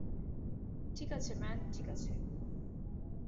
ঠিক আছে, ম্যান, ঠিক আছে?